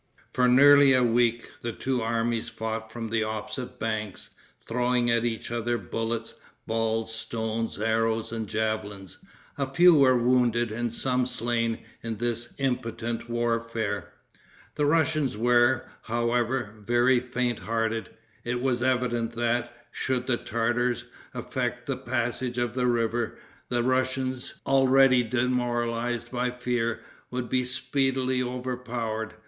For nearly a week the two armies fought from the opposite banks, throwing at each other bullets, balls, stones, arrows and javelins. A few were wounded and some slain in this impotent warfare. The Russians were, however, very faint hearted. It was evident that, should the Tartars effect the passage of the river, the Russians, already demoralized by fear, would be speedily overpowered.